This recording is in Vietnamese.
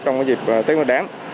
trong dịp tết nguyên đán